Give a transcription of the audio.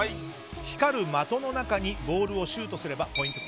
光る的の中にボールをシュートすれば。